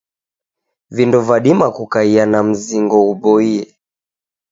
Vindo vadima kukaia na mzingo ghuboie.